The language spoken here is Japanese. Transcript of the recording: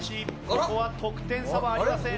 ここは得点差はありません。